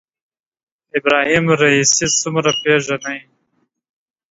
ابراهیم رئیسي څومره پېژنئ